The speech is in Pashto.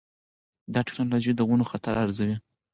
دا ټکنالوجي د ونو خطر ارزوي.